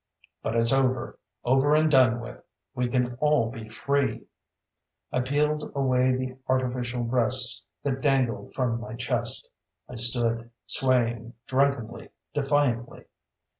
"But it's over. Over and done with. We can all be free " I peeled away the artificial breasts that dangled from my chest. I stood swaying drunkenly, defiantly.